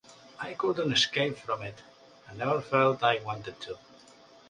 I couldn't escape from it, and never felt I wanted to.